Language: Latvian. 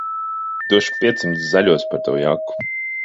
Došu piecsimt zaļos par tavu jaku.